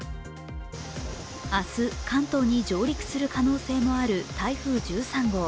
明日、関東に上陸する可能性もある台風１３号。